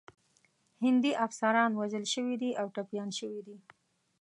هندي افسران وژل شوي او ټپیان شوي دي.